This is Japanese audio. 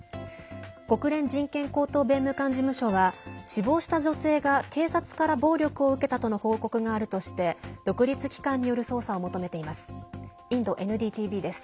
国連人権高等弁務官事務所は死亡した女性が警察から暴力を受けたとの報告があるとして独立機関による捜査を求めています。